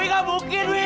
hilanglah kamu diam aja